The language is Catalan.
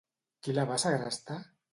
Qui la va segrestar?